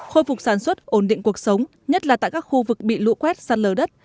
khôi phục sản xuất ổn định cuộc sống nhất là tại các khu vực bị lũ quét sạt lở đất